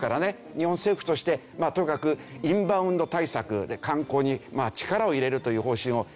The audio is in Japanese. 日本政府としてとにかくインバウンド対策で観光に力を入れるという方針を打ち出しています。